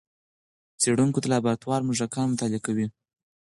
څېړونکي د لابراتوار موږکان مطالعه کوي.